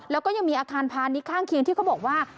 แล้วก็ยังมีอาคารพาณิชย์ข้างเคียงที่เขาบอกว่า